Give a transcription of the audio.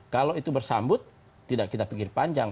kalau itu bersambut tidak kita pikir panjang